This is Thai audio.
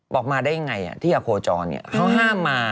บอกมาได้ยังไงที่อโคจรเขาห้ามมา